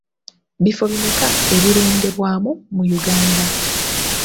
Bifo bimeka ebirondebwamu mu Uganda?